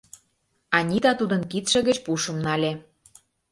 Анита тудын кидше гыч пушым нале.